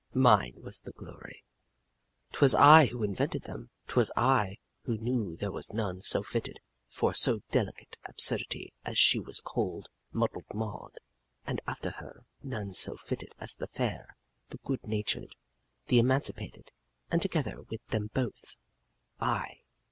Mine was the glory. 'Twas I who invented them. 'Twas I who knew there was none so fitted for a so delicate absurdity as she we called Muddled Maud; and after her, none so fitted as the fair, the good natured, the Emancipated; and together with them both, I.